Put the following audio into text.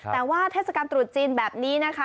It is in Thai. แต่ว่าเทศกาลตรุษจีนแบบนี้นะคะ